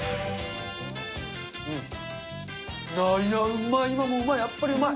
うん、ああ、いや、うまい、今もうまい、やっぱりうまい。